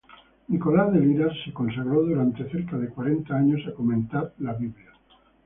Nicolás de Lira se consagró durante cerca de cuarenta años a comentar la Biblia.